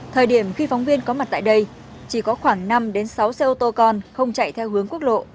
thời điểm khi phóng viên có mặt tại đây chỉ có khoảng năm sáu xe ô tô con không chạy theo hướng quốc lộ